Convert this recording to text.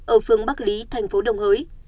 ở phường bắc lý thành phố đồng hới